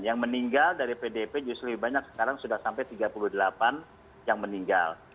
yang meninggal dari pdp justru lebih banyak sekarang sudah sampai tiga puluh delapan yang meninggal